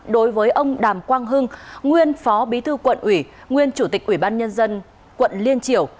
đối với ông đàm quang hưng nguyên phó bí thư quận ủy nguyên chủ tịch ủy ban nhân dân quận liên triểu